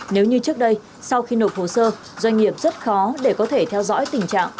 nếu như trước đây sau khi nộp hồ sơ doanh nghiệp rất khó để có thể theo dõi tình trạng